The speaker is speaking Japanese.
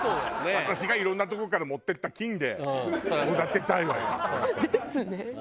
私がいろんなとこから持ってきた菌で育てたいわよ。ですね。